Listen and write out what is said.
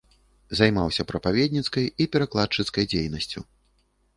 Займаўся прапаведніцкай і перакладчыцкай дзейнасцю.